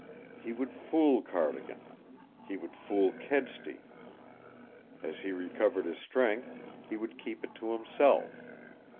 He would fool Cardigan. He would fool Kedsty. As he recovered his strength, he would keep it to himself.